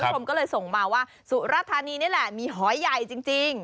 คุณผู้ชมก็เลยส่งมาว่าสุรธานีนี่แหละมีหอยใหญ่จริง